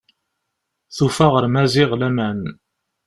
Tufa ɣer Maziɣ laman.